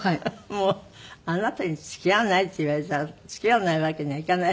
もうあなたに「付き合わない？」って言われたら付き合わないわけにはいかない。